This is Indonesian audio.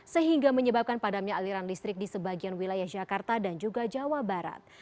sehingga menyebabkan padamnya aliran listrik di sebagian wilayah jakarta dan juga jawa barat